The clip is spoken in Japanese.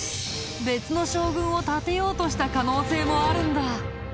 別の将軍をたてようとした可能性もあるんだ。